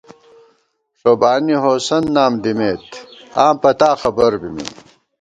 ݭوبانی ہوسند نام دِمېت ، آں پتا خبر بِمېم